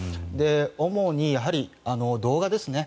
主に動画ですね。